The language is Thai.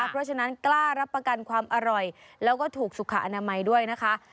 เพราะฉะนั้นกล้ารับประกันความอร่อยแล้วก็ถูกสุขอนามัยด้วยนะคะ